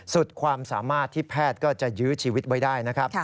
สุดความสามารถที่แพทย์ก็จะยื้อชีวิตไว้ได้นะครับ